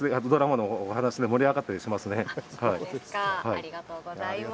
ありがとうございます。